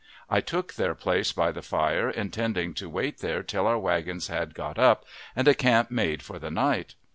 I took their place by the fire, intending to wait there till our wagons had got up, and a camp made for the night.